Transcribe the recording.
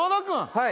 はい。